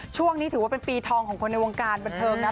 ช่วงนี้ถือว่าเป็นปีทองของคนในวงการบรรเทิงนะ